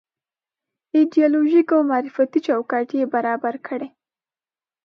ایدیالوژيک او معرفتي چوکاټ یې برابر کړی.